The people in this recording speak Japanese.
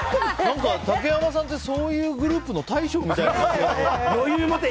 竹山さんってそういうグループの余裕持て！